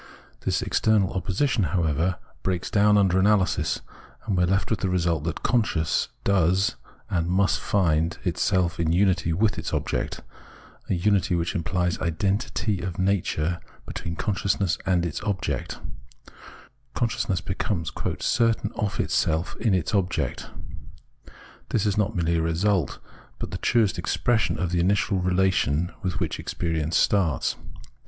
This external opposition, however, breaks down under analysis, and we are left with the result that consciousness does and must find itself in unity with its object, a unity which implies identity of nature between consciousness and its object : consciousness becomes " certain of itself in its object." This is not merely a result, but the truest expression of the initial relation with which experience starts.